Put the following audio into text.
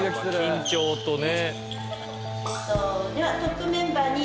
緊張とね。